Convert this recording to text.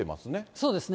そうですね。